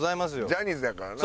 ジャニーズやからな。